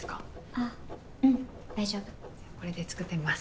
あっうん大丈夫これで作ってみます